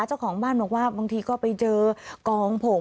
เจ้าของบ้านบอกว่าบางทีก็ไปเจอกองผง